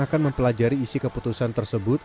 akan mempelajari isi keputusan tersebut